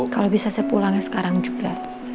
kalau bisa saya pulang sekarang juga